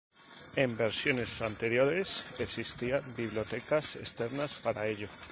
En versiones anteriores, existían bibliotecas externas para ello.